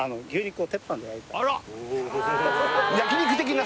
焼き肉的な？